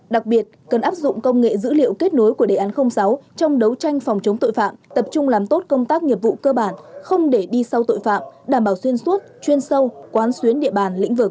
đặc biệt cần áp dụng công nghệ dữ liệu kết nối của đề án sáu trong đấu tranh phòng chống tội phạm tập trung làm tốt công tác nghiệp vụ cơ bản không để đi sau tội phạm đảm bảo xuyên suốt chuyên sâu quán xuyến địa bàn lĩnh vực